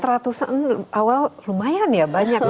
empat ratus an awal lumayan ya banyak